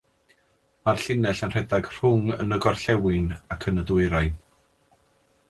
Mae'r llinell yn rhedeg rhwng yn y gorllewin ac yn y dwyrain.